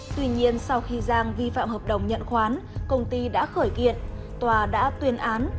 tuy nhiên sau khi giang vi phạm hợp đồng nhận khoán công ty đã khởi kiện tòa đã tuyên án